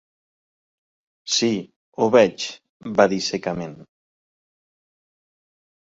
"Sí, ho veig", va dir secament.